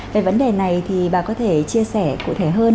về vấn đề này thì bà có thể chia sẻ cụ thể hơn